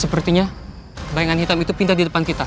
sepertinya bayangan hitam itu pindah di depan kita